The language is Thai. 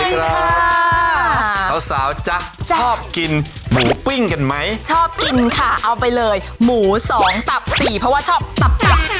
สาวสาวจ๊ะชอบกินหมูปิ้งกันไหมชอบกินค่ะเอาไปเลยหมูสองตับสี่เพราะว่าชอบตับตับ